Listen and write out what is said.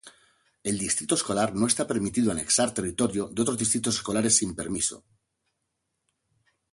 El distrito escolar no está permitido anexar territorio de otros distritos escolares sin permiso.